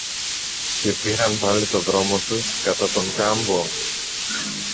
Και πήραν πάλι το δρόμο τους κατά τον κάμπο